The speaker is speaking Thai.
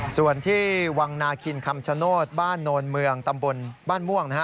ส่วนที่วังนาคินคำชโนธบ้านโนนเมืองตำบลบ้านม่วงนะฮะ